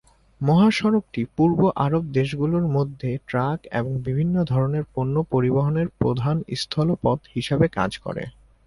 মহাসড়কটি পূর্ব আরব দেশগুলোর মধ্যে ট্রাক এবং বিভিন্ন ধরণের পণ্য পরিবহনের প্রধান স্থল পথ হিসেবে কাজ করে।